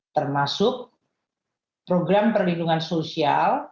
termasuk program perlindungan sosial